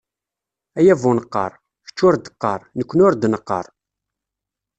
Ay abuneqqar: kečč ur d-qqar, nekkni ur d-neqqar!